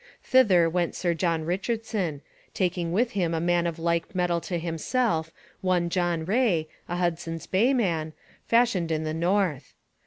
Thither went Sir John Richardson, taking with him a man of like metal to himself, one John Rae, a Hudson's Bay man, fashioned in the north.